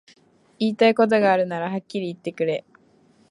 言いたいことがあるならはっきり言ってくれ